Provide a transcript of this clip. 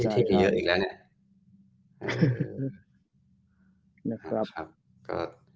ที่มีเยอะอีกแล้วเนี่ย